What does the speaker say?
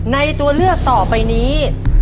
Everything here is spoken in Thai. ตัวเลือกต่อไปนี้